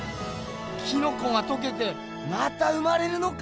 キノコがとけてまた生まれるのかぁ！